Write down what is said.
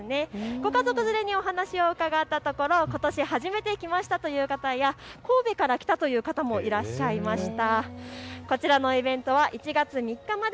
ご家族連れにお話を伺ったところ、ことし初めて来ましたという方や神戸から来たという方もいらっしゃいました。